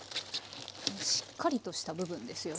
しっかりとした部分ですよね。